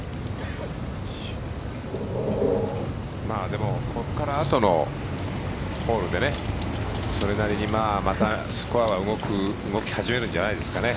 でも、ここから後のホールでそれなりにまたスコアは動き始めるんじゃないですかね。